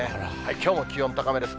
きょうも気温、高めです。